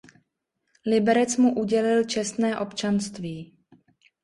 Liberec mu udělil čestné občanství.